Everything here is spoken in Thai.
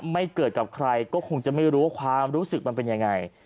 เกิดกับใครก็คงจะไม่รู้ว่าความรู้สึกมันเป็นยังไง